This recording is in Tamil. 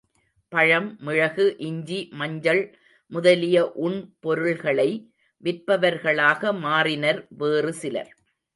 பழம், மிளகு, இஞ்சி, மஞ்சள், முதலிய உண் பொருள்களை விற்பவர்களாக மாறினர் வேறு சிலர்.